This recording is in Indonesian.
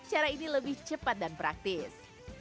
cara ini lebih cepat dan praktis